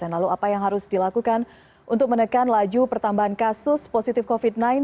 lalu apa yang harus dilakukan untuk menekan laju pertambahan kasus positif covid sembilan belas